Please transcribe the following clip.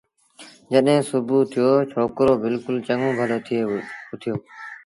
جڏهيݩ سُڀو ٿيو ڇوڪرو بلڪُل چڱوُن ڀلو ٿئي اُٿيو